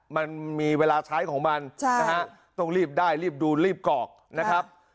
มันมีเวลาใช้ของมันต้องรีบได้รีบดูรีบกรอกนะครับ